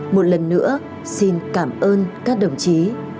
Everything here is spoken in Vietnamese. một lần nữa xin cảm ơn các đồng chí